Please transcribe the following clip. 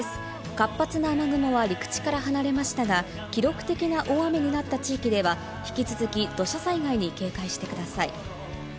活発な雨雲は陸地から離れましたが、記録的な大雨になった地域では、引き続き土砂災害に警戒してください。